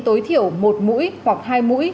tối thiểu một mũi hoặc hai mũi